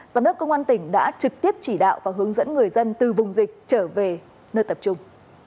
giám đốc công an tỉnh đã trực tiếp chỉ đạo và hướng dẫn người dân từ vùng dịch trở về nơi tập trung